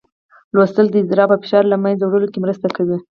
لوستل د اضطراب او فشار له منځه وړلو کې مرسته کوي.